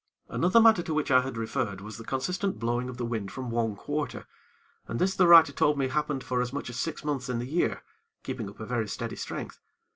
Another matter to which I had referred was the consistent blowing of the wind from one quarter, and this the writer told me happened for as much as six months in the year, keeping up a very steady strength.